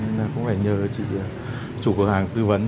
nên cũng phải nhờ chủ cửa hàng tư vấn